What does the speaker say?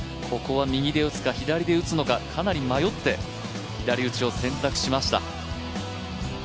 ここは右で打つか、左で打つのかかなり迷って左打ちを選択しました。